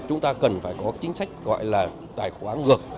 chúng ta cần phải có chính sách gọi là tài khoá ngược